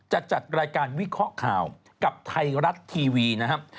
จัดรายการวิเคราะห์ข่าวกับไทยรัฐทีวีนะครับ